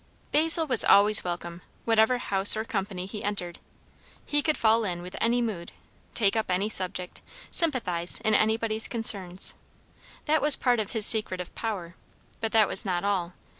Basil was always welcome, whatever house or company he entered; he could fall in with any mood, take up any subject, sympathize in anybody's concerns. That was part of his secret of power, but that was not all.